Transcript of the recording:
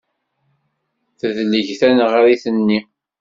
Tedleg taneɣrit-nni.